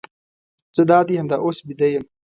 زه دادي همدا اوس بیده یم.